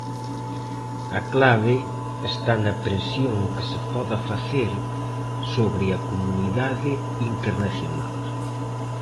A clave está na presión que se poda facer sobre a comunidade internacional.